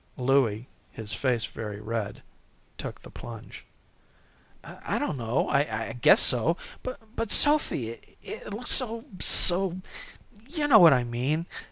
Louie, his face very red, took the plunge. "I don't know. I guess so. But, Sophy, it looks so so you know what I mean.